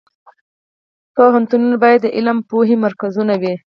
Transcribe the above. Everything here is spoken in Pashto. پوهنتونونه باید د علم او پوهې مرکزونه وي